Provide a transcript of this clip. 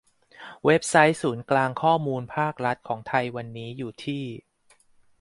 เว็บไซต์ศูนย์กลางข้อมูลภาครัฐของไทยวันนี้อยู่ที่